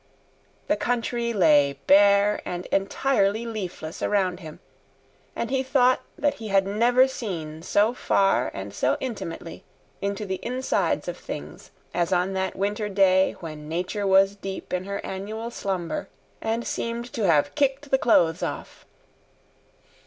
The country lay bare and entirely leafless around him, and he thought that he had never seen so far and so intimately into the insides of things as on that winter day when Nature was deep in her annual slumber and seemed to have kicked the clothes off.